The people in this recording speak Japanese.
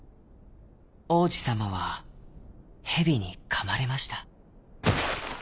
王子さまはヘビにかまれました。